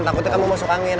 takutnya kamu masuk angin